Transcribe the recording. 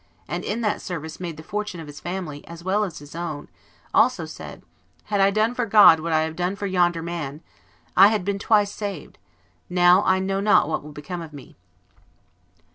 and in that service made the fortune of his family as well as his own, said also, "Had I done for God what I have done for yonder man, I had been twice saved; and now I know not what will become of me."